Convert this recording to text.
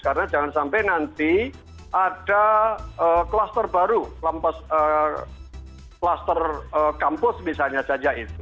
karena jangan sampai nanti ada kluster baru kluster kampus misalnya saja itu